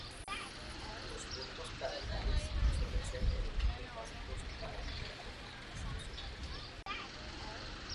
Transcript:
Los puntos cardinales, suelen ser elementos básicos para nombrar a las subregiones.